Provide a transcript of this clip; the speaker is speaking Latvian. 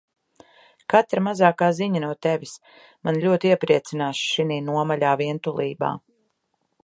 Katra mazākā ziņa no Tevis mani ļoti iepriecinās šinī nomaļā vientulībā.